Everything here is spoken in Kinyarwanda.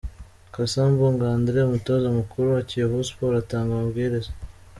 Cassa Mbungo Andre umutoza mukuru wa Kiyovu Sport atanga amabwiriza.